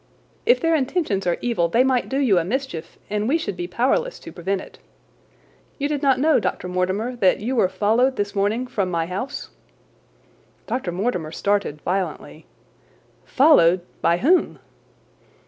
If their intentions are evil they might do you a mischief, and we should be powerless to prevent it. You did not know, Dr. Mortimer, that you were followed this morning from my house?" Dr. Mortimer started violently. "Followed! By whom?"